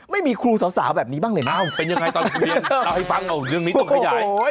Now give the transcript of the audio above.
ไม่มีครูสาวแบบนี้บ้างเลย